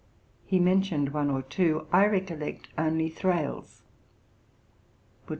He mentioned one or two. I recollect only Thrale's.